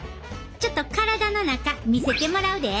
ちょっと体の中見せてもらうで。